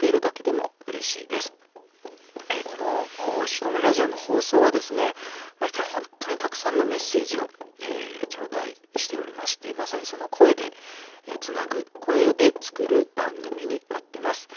この「ひきこもりラジオ」の放送はですね毎回本当にたくさんのメッセージを頂戴しておりましてまさにその声でつなぐ声で作る番組になってます。